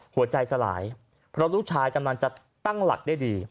หัวใจสลายเพราะลูกชายกำลังจะตั้งหลักได้ดี